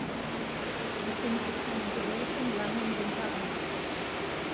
Er kündigte einen großen langen Winter an.